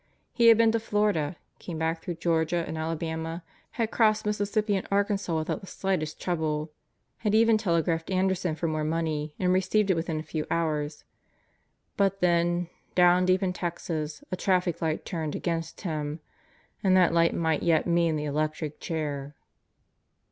He had been to Florida, came back through Georgia and Alabama, had crossed Mississippi and Arkansas without the slightest trouble. Had even telegraphed Anderson for more money and received it within a few hours. But then, down deep in Texas, a traffic light turned against him and that light might yet mean the electric chair.